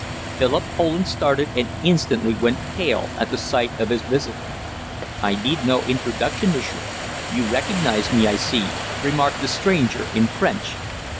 Philip Poland started and instantly went pale at sight of his visitor. "I need no introduction, m'sieur. You recognize me, I see," remarked the stranger, in French.